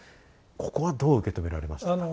ここはどう受け止められましたか？